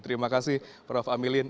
terima kasih prof amilin